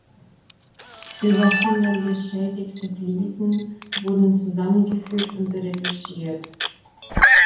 Über hundert beschädigte Fliesen wurden zusammengefügt und retuschiert.